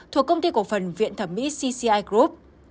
thuộc công ty cổ phần viện thẩm mỹ cci group